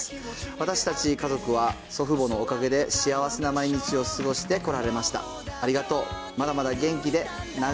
私たち家族は、祖父母のおかげで幸せな毎日を過ごしてこられました。